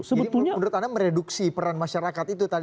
jadi menurut anda mereduksi peran masyarakat itu tadi